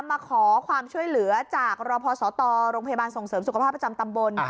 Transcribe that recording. มาขอความช่วยเหลือจากรพศตโรงพยาบาลส่งเสริมสุขภาพประจำตำบล